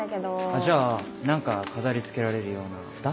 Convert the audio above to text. あっじゃあ何か飾り付けられるようなフタ？